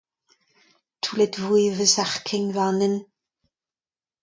Toullet e voe va sac'h kein war an hent.